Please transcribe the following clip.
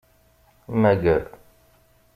Mager.